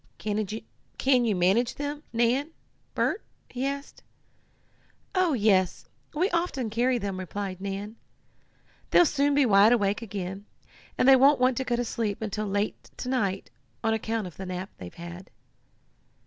Can you manage them, Nan Bert?" he asked. "Oh, yes, we often carry them," replied Nan. "They'll soon be wide awake again, and they won't want to go to sleep until late to night, on account of the nap they've had."